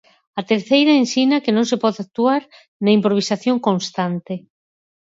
A terceira ensina que non se pode actuar na improvisación constante.